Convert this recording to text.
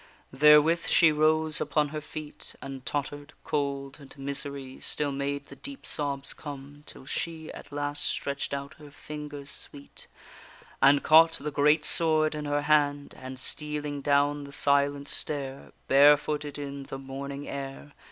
Therewith she rose upon her feet, And totter'd; cold and misery Still made the deep sobs come, till she At last stretch'd out her fingers sweet, And caught the great sword in her hand; And, stealing down the silent stair, Barefooted in the morning air.